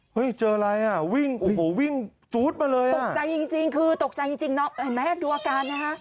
แผลที่ตัวแมวตัวดำทำ